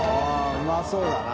うまそうだな。